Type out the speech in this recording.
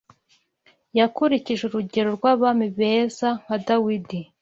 Yakurikije urugero rw’abami beza nka Dawidi